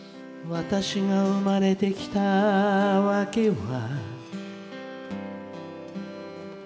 「私が生まれてきた訳は」